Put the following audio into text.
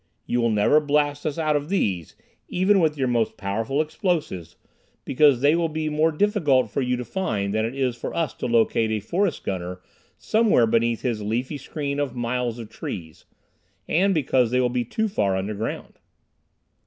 "You will never blast us out of these, even with your most powerful explosives, because they will be more difficult for you to find than it is for us to locate a forest gunner somewhere beneath his leafy screen of miles of trees, and because they will be too far underground."